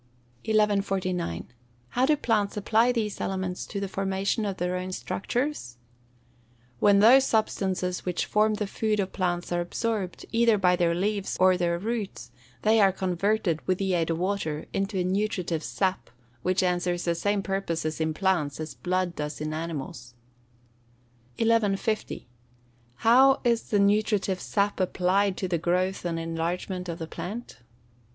1149. How do plants apply these elements to the formation of their own structures? When those substances which form the food of plants are absorbed, either by their leaves or their roots, they are converted, with the aid of water, into a nutritive sap, which answers the same purposes in plants as blood does in animals. 1150. _How is the nutritive sap applied to the growth and enlargement of the plant?